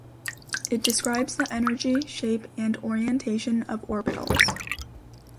It describes the energy, shape and orientation of orbitals.